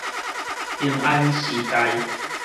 平安時代